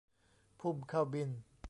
พุ่มข้าวบิณฑ์